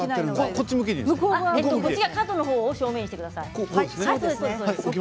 角のほうを正面にしてください。